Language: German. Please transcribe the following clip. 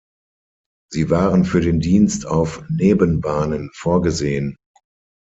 Sie waren für den Dienst auf Nebenbahnen vorgesehen.